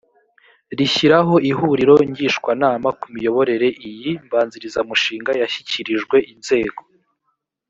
rishyiraho ihuriro ngishwanama ku miyoborere iyi mbanzirizamushinga yashyikirijwe inzego